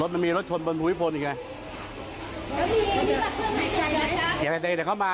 เดี๋ยวเข้ามา